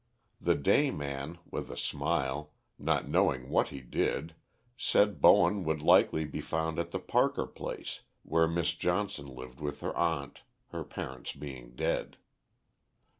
The day man, with a smile, not knowing what he did, said Bowen would likely be found at the Parker Place, where Miss Johnson lived with her aunt, her parents being dead.